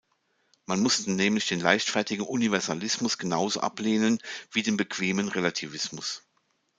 Man muss nämlich den leichtfertigen Universalismus genauso ablehnen wie den bequemen Relativismus.